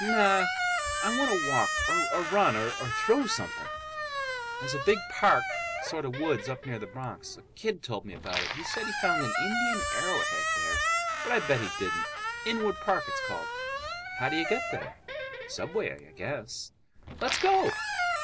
"No. I want to walk, or run, or throw something." "There's a big park—sort of a woods—up near the Bronx. A kid told me about it. He said he found an Indian arrowhead there, but I bet he didn't. Inwood Park, it's called." "How do you get there?" "Subway, I guess." "Let's go!"